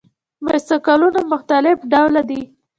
بایسکلونه مختلف ډوله دي.